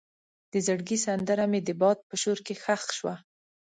د زړګي سندره مې د باد په شور کې ښخ شوه.